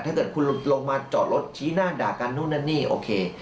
ถ้าเกิดคุณลงมาจอดรถชี้หน้าด่ากันนู่นนั่นนี่โอเค